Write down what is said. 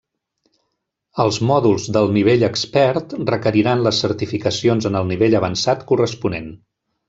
Els mòduls del nivell expert requeriran les certificacions en el nivell avançat corresponent.